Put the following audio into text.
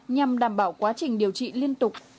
nhằm đảm bảo quá trình điều trị liên tục